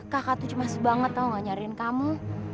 kakak tuh cemas banget tau gak nyariin kamu